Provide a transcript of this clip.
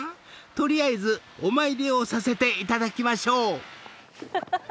［取りあえずお参りをさせていただきましょう！］